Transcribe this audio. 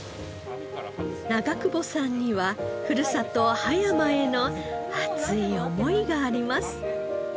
長久保さんにはふるさと葉山への熱い思いがあります。